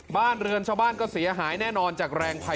บ้านเรือนชาวบ้านก็เสียหายแน่นอนจากแรงภัย